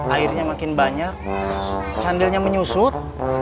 airnya makin banyak candilnya menyusut